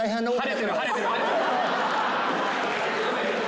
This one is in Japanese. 晴れてる晴れてる。